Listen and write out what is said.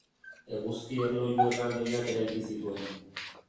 Eguzki erloju erraldoiak eraiki zituen.